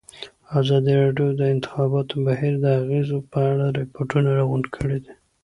ازادي راډیو د د انتخاباتو بهیر د اغېزو په اړه ریپوټونه راغونډ کړي.